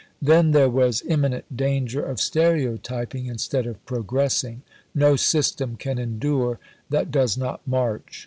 Then there was "imminent danger of stereotyping instead of progressing. No system can endure that does not march.